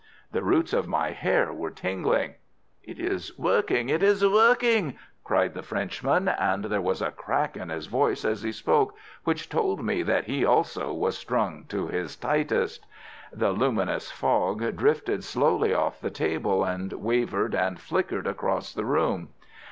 The roots of my hair were tingling. "It is working! It is working!" cried the Frenchman, and there was a crack in his voice as he spoke which told me that he also was strung to his tightest. The luminous fog drifted slowly off the table, and wavered and flickered across the room.